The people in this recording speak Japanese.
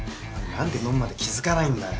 何で飲むまで気付かないんだよ？